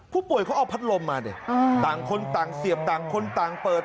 ผู้ป่วยเขาเอาพัดลมมาดิต่างคนต่างเสียบต่างคนต่างเปิด